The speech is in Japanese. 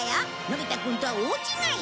のび太くんとは大違い！